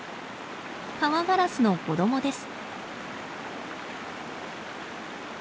カワガラスの子供です。